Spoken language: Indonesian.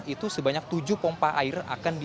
itu sebanyak tujuh pompa air akan disiagakan di dekat bibir